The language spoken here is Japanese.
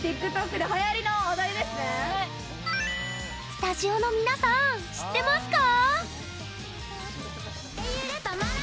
スタジオの皆さん知ってますか？